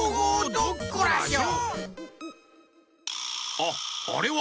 あっあれは！